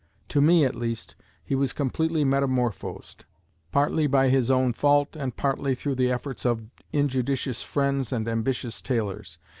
To me, at least, he was completely metamorphosed partly by his own fault, and partly through the efforts of injudicious friends and ambitious tailors.